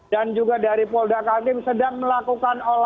dan juga dari polda kandim sedang melakukan olahraga